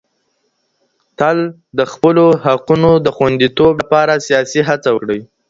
تل د خپلو حقونو د خونديتوب لپاره سياسي هڅي وکړئ.